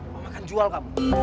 mama akan jual kamu